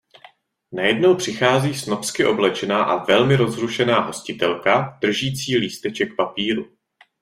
Najedou přichází snobsky oblečená a velmi rozrušená hostitelka, držící lísteček papíru